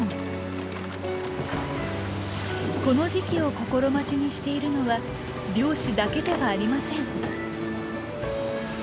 この時期を心待ちにしているのは漁師だけではありません。